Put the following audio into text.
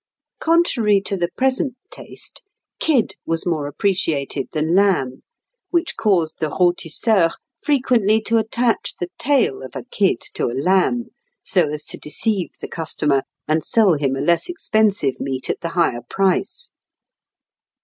Contrary to the present taste, kid was more appreciated than lamb, which caused the rôtisseurs frequently to attach the tail of a kid to a lamb, so as to deceive the customer and sell him a less expensive meat at the higher price.